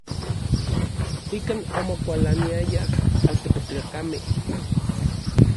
Ikan omokualaniayaj n altepetlakamej.